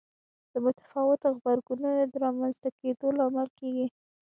د متفاوتو غبرګونونو د رامنځته کېدو لامل کېږي.